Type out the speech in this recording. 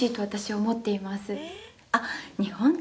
あっ！